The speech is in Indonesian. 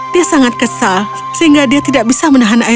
dia sangat kesal sehingga dia tidak bisa menahan air